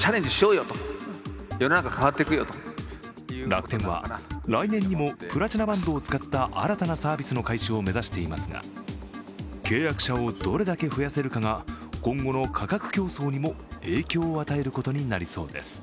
樂天は、来年にもプラチナバンドを使った新たなサービスの開始を目指していますが契約者をどれだけ増やせるかが今後の価格競争にも影響を与えることになりそうです。